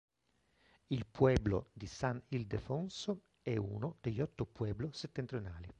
Il Pueblo di San Ildefonso è uno degli Otto Pueblo Settentrionali.